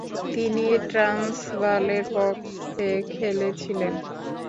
তিনি ট্রান্সভালের পক্ষে খেলেছিলেন।